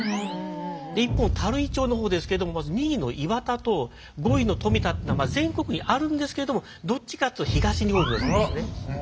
一方垂井町の方ですけどまず２位の岩田と５位の富田っていうのは全国にあるんですけれどもどっちかっていうと東に多い名字ですね。